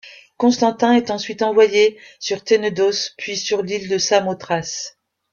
Constantin est ensuite envoyé sur Tenedos puis sur l'île de Samothrace.